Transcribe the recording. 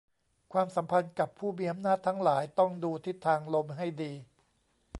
ความสัมพันธ์กับผู้มีอำนาจทั้งหลายต้องดูทิศทางลมให้ดี